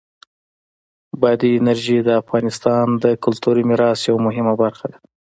بادي انرژي د افغانستان د کلتوری میراث یوه مهمه برخه ده.